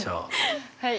はい！